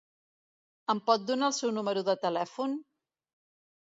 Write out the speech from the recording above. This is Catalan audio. Em pot donar el seu número de telèfon?